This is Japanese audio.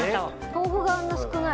豆腐があんなに少ない。